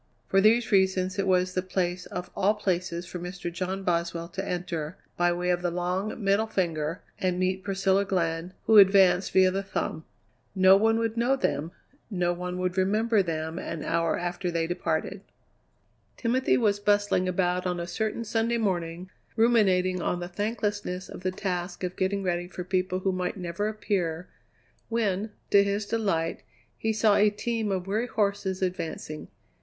For these reasons it was the place of all places for Mr. John Boswell to enter, by way of the long, middle finger, and meet Priscilla Glenn, who advanced via the thumb. No one would know them; no one would remember them an hour after they departed. Timothy was bustling about on a certain Sunday morning, ruminating on the thanklessness of the task of getting ready for people who might never appear, when, to his delight, he saw a team of weary horses advancing.